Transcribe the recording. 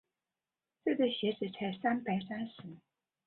这对鞋子才三百三十。